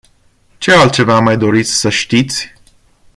Ce altceva mai doriți să știți?